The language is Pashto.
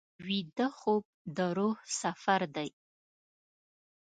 ویده خوب د روح سفر دی